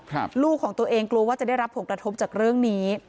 ลูกของตัวเองกลัวว่าจะได้รับผลกระทบจากเรื่องนี้